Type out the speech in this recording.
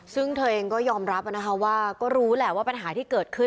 ซึ่งเธอเองก็ยอมรับนะคะว่าก็รู้แหละว่าปัญหาที่เกิดขึ้น